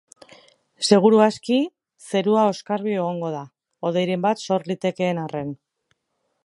Seguru aski zerua oskarbi egongo da, hodeiren bat sor litekeen arren.